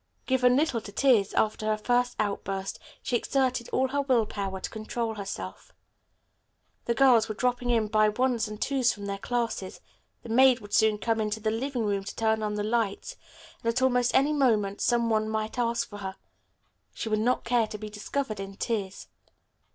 Given little to tears, after her first outburst she exerted all her will power to control herself. The girls were dropping in by ones and twos from their classes, the maid would soon come into the living room to turn on the lights, and at almost any moment some one might ask for her. She would not care to be discovered in tears.